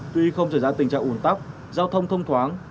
tuy không trở ra tình trạng ủn tắp giao thông thông thoáng